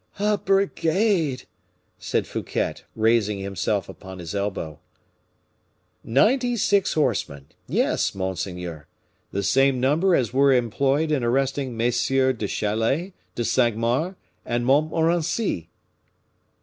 "A brigade!" said Fouquet, raising himself upon his elbow. "Ninety six horsemen, yes, monseigneur. The same number as were employed in arresting MM. de Chalais, de Cinq Mars, and Montmorency."